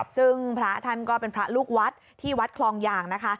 ซึ่งพระท่านก็เป็นพระลูกวัดที่วัดคลองยางนะคะ